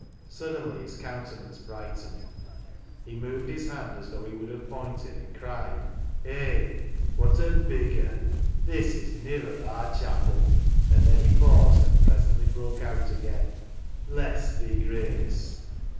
Suddenly his countenance brightened. He moved his hand as though he would have pointed, and cried —" Hay, wot a big 'un ! This is niver aar chapil!" And then he paused, and presently broke out again —" Bless thi, Grace